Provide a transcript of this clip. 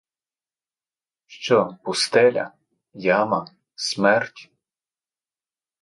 Що — пустеля, яма, смерть?